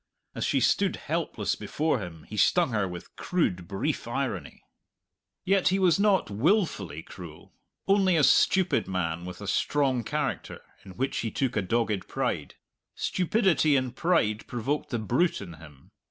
As she stood helpless before him he stung her with crude, brief irony. Yet he was not wilfully cruel; only a stupid man with a strong character, in which he took a dogged pride. Stupidity and pride provoked the brute in him.